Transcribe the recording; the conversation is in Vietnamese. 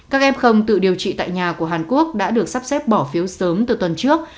các em không tự điều trị tại nhà của hàn quốc đã được sắp xếp bỏ phiếu sớm từ tuần trước